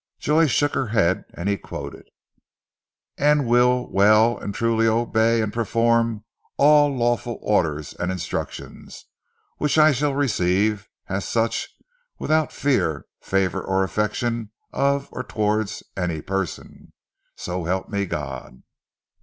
Joy shook her head, and he quoted "And will well and truly obey and perform all lawful orders and instructions, which I shall receive as such, without fear, favour or affection of or towards any person. So help me, God!"